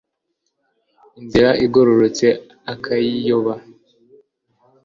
inzira igororotse akayiyoba